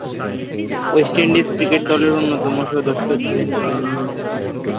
West Indies cricket দলের অন্যতম সদস্য ছিলেন তিনি।